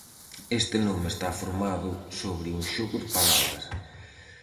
Este nome está formado sobre un xogo de palabras.